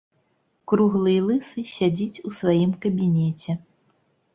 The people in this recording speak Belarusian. Круглы і лысы сядзіць у сваім кабінеце.